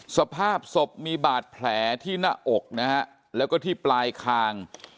สภาพศพมีบาดแผลที่หน้าอกนะฮะแล้วก็ที่ปลายคาง